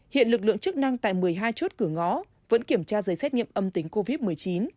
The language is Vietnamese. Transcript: hiện lực lượng chức năng tại một mươi hai chốt cửa ngõ vẫn kiểm tra giấy xét nghiệm âm tính covid một mươi chín